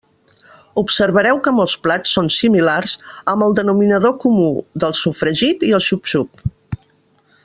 Observareu que molts plats són simi-lars, amb el denominador comú del so-fregit i el xup-xup.